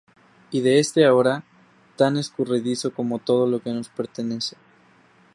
Y de este ahora, tan escurridizo como todo lo que nos pertenece".